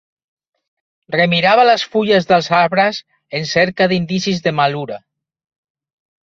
Remirava les fulles dels arbres, en cerca d'indicis de malura.